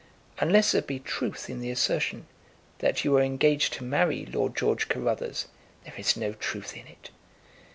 "Unless there be truth in the assertion that you are engaged to marry Lord George Carruthers." "There is no truth in it."